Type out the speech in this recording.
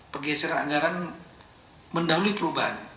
pergeseran anggaran mendahului perubahan